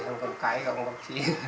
xong còn cái gặp bác chí